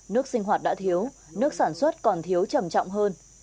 nước sinh hoạt đã thiếu nước sản xuất còn thiếu trầm trọng hơn